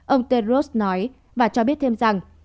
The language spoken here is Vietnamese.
ông tedros nói và cho biết thêm rằng